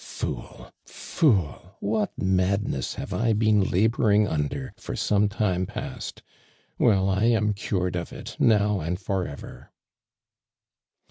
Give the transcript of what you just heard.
Fool ! fool I what madness have I been labjoring uuder for some time paet ! Well, 1 t,\m cured of it now and for ever